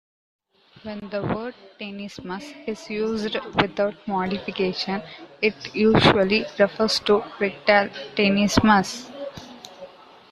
When the word tenesmus is used without modification, it usually refers to rectal tenesmus.